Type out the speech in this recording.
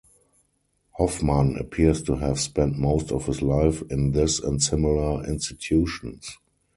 Hofmann appears to have spent most of his life in this and similar institutions.